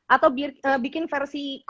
atau bikin versi